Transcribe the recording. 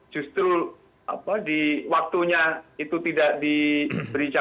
justru di waktunya itu tidak diberi